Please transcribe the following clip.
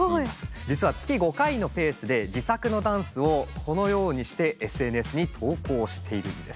実は月５回のペースで自作のダンスをこのようにしてＳＮＳに投稿しているんです。